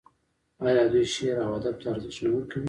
آیا دوی شعر او ادب ته ارزښت نه ورکوي؟